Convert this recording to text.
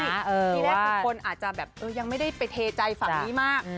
ทีแรกคือคนอาจจะแบบยังไม่ได้ไปเทใจฝั่งนี้มาก